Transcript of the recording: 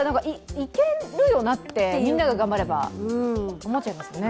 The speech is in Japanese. いけるよなって、みんなが頑張ればと思っちゃいますけどね。